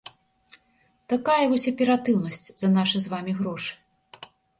Такая вось аператыўнасць за нашы з вамі грошы.